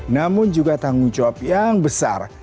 namun juga tanggung jawab yang besar